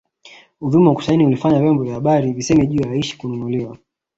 Uvumi wa kusaini ulifanya vyombo vya habari viseme juu ya Aishi kununuliwa